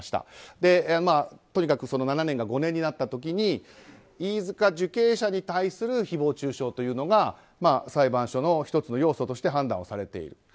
とにかく７年が５年になった時に飯塚受刑者に対する誹謗中傷というのが裁判所の１つの要素として判断されている。